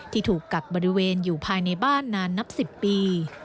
ถูกกักบริเวณอยู่ภายในบ้านนานนับ๑๐ปี